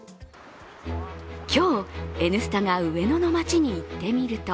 今日、「Ｎスタ」が上野の街に行ってみると